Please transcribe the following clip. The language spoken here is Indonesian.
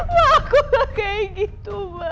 ma aku gak kayak gitu ma